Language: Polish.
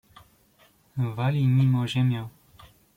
"Wali nim o ziemię."